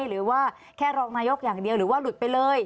หรือว่าแค่รองนายกอย่างเดียวหรือว่าหลุดไปเลย